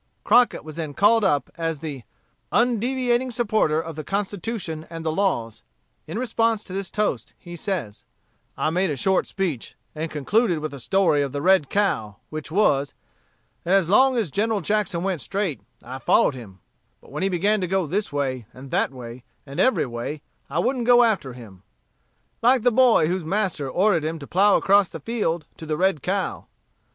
Crockett was then called up, as the "undeviating supporter of the Constitution and the laws." In response to this toast, he says, "I made a short speech, and concluded with the story of the red cow, which was, that as long as General Jackson went straight, I followed him; but when he began to go this way, and that way, and every way, I wouldn't go after him; like the boy whose master ordered him to plough across the field to the red cow.